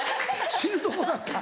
死ぬとこだった。